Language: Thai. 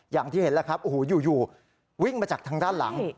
อย่างที่เห็นแล้วครับโอ้โหอยู่วิ่งมาจากทางด้านหลัง